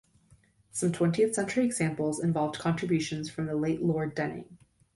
Some twentieth century examples involved contributions from the late Lord Denning.